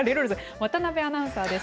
渡辺アナウンサーです。